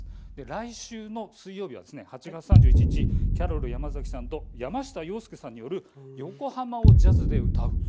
来週の水曜日は８月３１日、キャロル山崎さんと山下洋輔さんによる横浜をジャズで歌う。